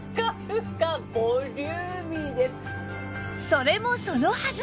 それもそのはず！